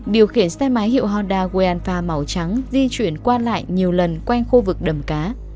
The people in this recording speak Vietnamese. điều khiển xe máy hiệu honda wayanfa màu trắng di chuyển qua lại nhiều lần quanh khu vực đầm cá